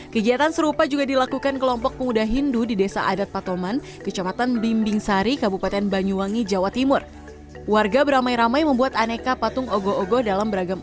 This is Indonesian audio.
kegiatan serupa juga dilakukan di jawa tenggara